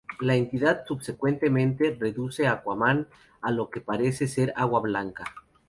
La Entidad subsecuentemente reduce Aquaman a lo que parece ser agua blanca.